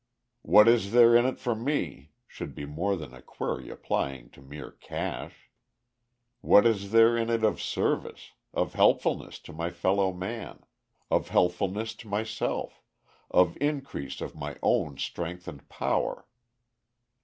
"What is there in it for me?" should be more than a query applying to mere cash. What is there in it of service, of helpfulness to my fellow man, of healthfulness to myself, of increase of my own strength and power.